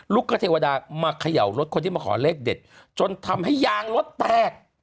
กระเทวดามาเขย่ารถคนที่มาขอเลขเด็ดจนทำให้ยางรถแตก